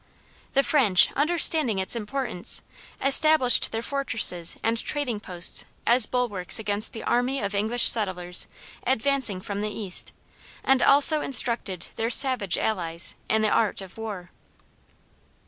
The French, understanding its importance, established their fortresses and trading posts as bulwarks against the army of English settlers advancing from the East, and also instructed their savage allies in the art of war.